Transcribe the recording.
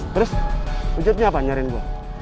terus wujudnya apa nyariin gue